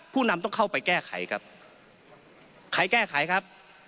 นำต้องเข้าไปแก้ไขครับใครแก้ไขครับ